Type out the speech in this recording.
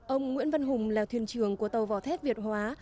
ông nguyễn văn hùng là thuyền trường của tàu vỏ thép việt hóa